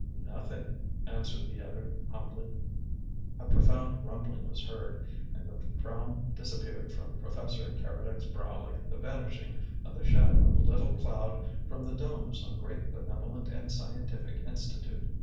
"Nothing," answered the other humbly. A profound rumbling was heard, and the frown disappeared from Professor Keredec's brow like the vanishing of the shadow of a little cloud from the dome of some great benevolent and scientific institute.